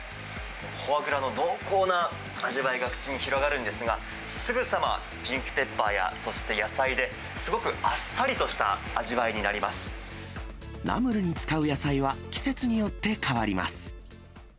フォアグラの濃厚な味わいが口に広がるんですが、すぐさまピンクペッパーや、そして野菜で、すごくあっさりとした味わいになナムルに使う野菜は季節によって変わります。